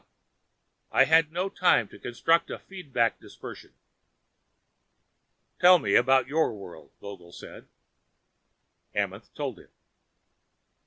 I had no time to construct a feedback dispersion." "Tell me about your world," Vogel said. Amenth told him.